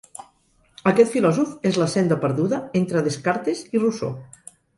Aquest filòsof és la senda perduda entre Descartes i Rousseau.